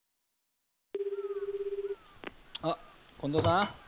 あっ近藤さん？